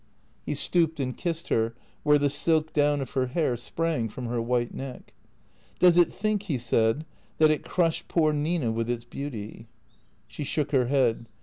He stooped and kissed her where the silk down of her hair sprang from her white neck. " Does it think," he said, " that it crushed poor Nina with its beauty ?" She shook her head.